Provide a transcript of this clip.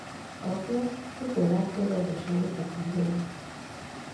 Apja Mikó László gazdasági szakíró.